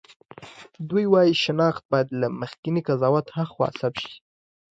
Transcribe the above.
دوی وايي شناخت باید له مخکېني قضاوت هاخوا ثبت شي.